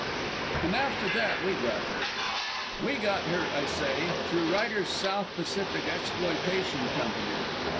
And after that we got her. We got her, I say, through Ryder's South Pacific Exploitation Company.